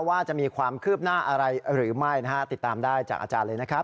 ว่าจะมีความคืบหน้าอะไรหรือไม่นะฮะติดตามได้จากอาจารย์เลยนะครับ